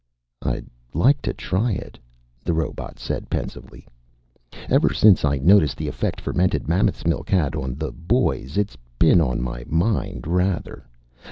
"I'd like to try it," the robot said pensively. "Ever since I noticed the effect fermented mammoth's milk had on the boys, it's been on my mind, rather.